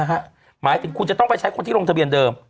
หมายถึงคุณจะต้องไปใช้คนที่ลงทะเบียนเดิม